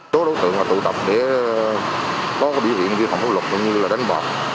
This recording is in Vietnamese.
chỗ đối tượng tụ tập để có biểu hiện vi phạm pháp luật như đánh bạc